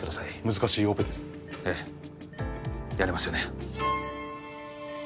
難しいオペですええやれますよね